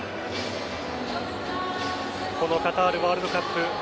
このカタールワールドカップ